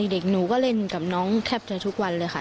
เด็กหนูก็เล่นกับน้องแทบจะทุกวันเลยค่ะ